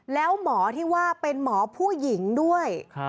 แล้วหมอที่ว่าเป็นหมอผู้หญิงด้วย